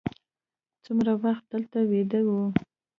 څومره وخت دلته ویده وو.